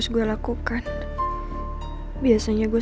selamat malam mas